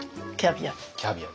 キャビア。